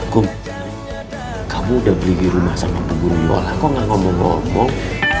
kum kamu udah beli rumah sama bu guriola kok gak ngomong ngomong